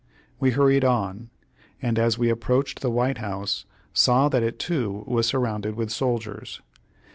We hurried on, and as we approached the White House, saw that it too was surrounded with soldiers.